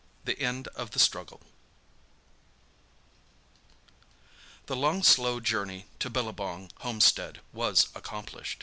THE END OF THE STRUGGLE The long slow journey to Billabong homestead was accomplished.